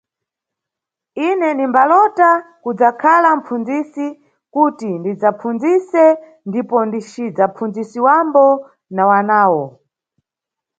Ine nimbalota kudzakhala mʼpfundzisi kuti ndidzapfundzise ndipo ndicidzapfundzisiwambo na wanawo.